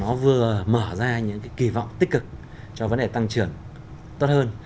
nó vừa mở ra những cái kỳ vọng tích cực cho vấn đề tăng trưởng tốt hơn